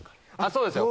そうですよ。